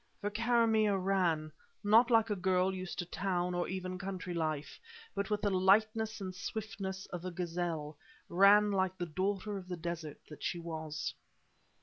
For Karamaneh ran, not like a girl used to town or even country life, but with the lightness and swiftness of a gazelle; ran like the daughter of the desert that she was.